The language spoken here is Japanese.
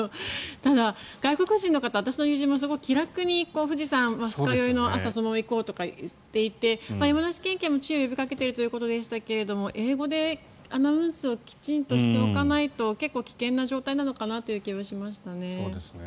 ただ、外国人の方は私の友人もすごく気楽に富士山には二日酔いの朝そのまま行こうとかって言っていて山梨県警も注意を呼びかけているということでしたが英語でアナウンスをきちんとしておかないと結構、危険な状態なのかなという気がしましたね。